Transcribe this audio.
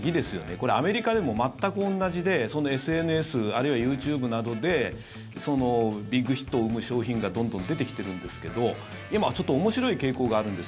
これ、アメリカでも全く同じでＳＮＳあるいはＹｏｕＴｕｂｅなどでビッグヒットを生む商品がどんどん出てきているんですけど今ちょっと面白い傾向があるんです。